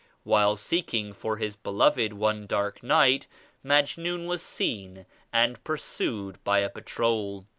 While seeking for his beloved one dark night Majnun was seen and pursued by a patrol.